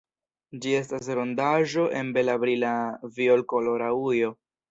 Ĝi estas rondaĵo en bela brila violkolora ujo.